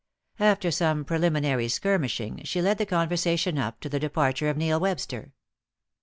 After some preliminary skirmishing, she led the conversation up to the departure of Neil Webster.